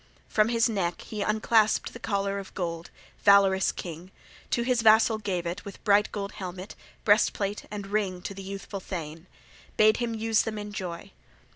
From his neck he unclasped the collar of gold, valorous king, to his vassal gave it with bright gold helmet, breastplate, and ring, to the youthful thane: bade him use them in joy.